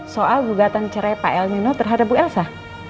soal gugatan cerai pak elmino terhadap bu elsa